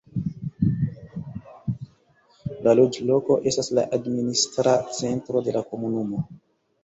La loĝloko estas la administra centro de la komunumo.